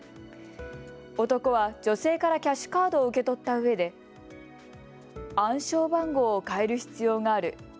男は女性からキャッシュカードを受け取ったうえで暗証番号を変える必要がある。